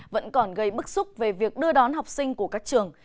vẫn còn gây bức xúc về việc đưa đón học sinh của các trường